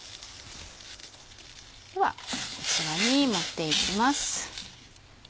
ではこちらに盛っていきます。